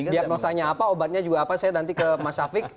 diagnosanya apa obatnya juga apa saya nanti ke mas syafiq